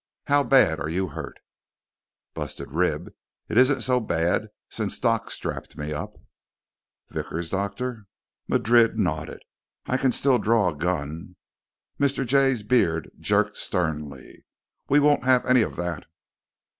How bad are you hurt?" "Busted rib. It isn't so bad since Doc strapped me up." "Vickers' doctor?" Madrid nodded. "I can still draw a gun." Mr. Jay's beard jerked sternly. "We won't have any of that."